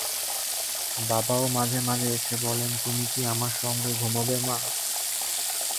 বাবাও মাঝে মাঝে এসে বলেন, তুমি কি আমার সঙ্গে ঘুমুবে মা?